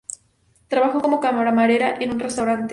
Trabajó como camarera en un restaurante.